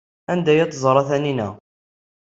Anda ay tt-teẓra Taninna?